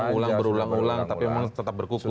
sudah berulang ulang tapi memang tetap berkukuh